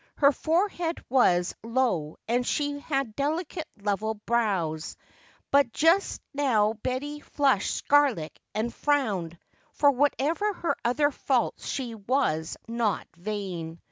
Her forehead was low and she had delicate level brows. But just now Betty flushed scarlet and frowned, for whatever her other faults she was not vain.